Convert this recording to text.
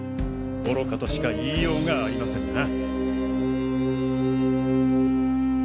愚かとしか言いようがありませんな。